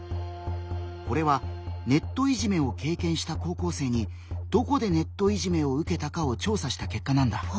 これはネットいじめを経験した高校生に「どこでネットいじめを受けたか」を調査した結果なんだ。